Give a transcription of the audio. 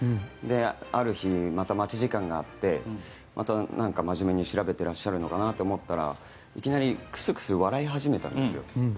ある日、待ち時間があってなんか真面目に調べてらっしゃるのかなと思ったらいきなりクスクス笑い始めたんですよ。